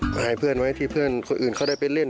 ไปให้เพื่อนไว้ที่เพื่อนคนอื่นเขาได้ไปเล่น